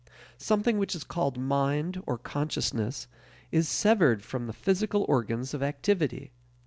Something which is called mind or consciousness is severed from the physical organs of activity.